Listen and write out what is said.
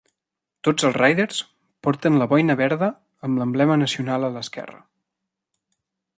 Tots els Raiders porten la boina verda amb l'emblema nacional a l'esquerra.